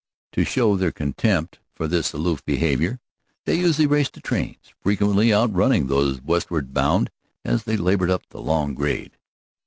To show their contempt for this aloof behavior they usually raced the trains, frequently outrunning those westward bound as they labored up the long grade.